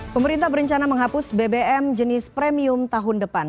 pemerintah berencana menghapus bbm jenis premium tahun depan